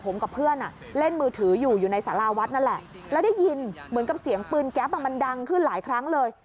แล้วได้ยินเหมือนกับเสียงปืนแก๊ปมันดังขึ้นหลายครั้งเลย